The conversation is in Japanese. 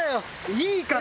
いいから！